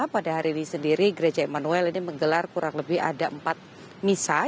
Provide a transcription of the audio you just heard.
pada hari ini sendiri gereja emmanuel ini menggelar kurang lebih ada empat misa